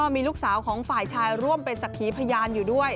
มีลูกสาวของฝ่ายชายร่วมเป็นสักขีพยานอยู่ด้วย